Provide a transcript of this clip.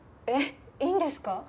えっいいんですか？